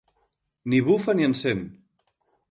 Ni bufa ni encén.